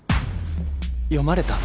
読まれた？